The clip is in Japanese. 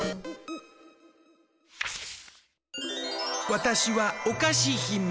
「わたしはおかしひめ。